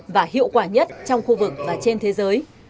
và hiệu quả nhất trong khu vực và trên thế giới